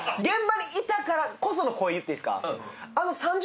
現場にいたからこその声言っていいですか？